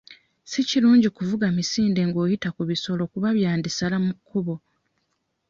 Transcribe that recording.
Si kirungi kuvuga misinde ng'oyita ku bisolo kuba byandisala mu kkubo.